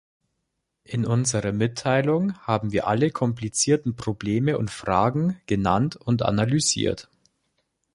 In unserer Mitteilung haben wir alle komplizierten Probleme und Fragen genannt und analysiert.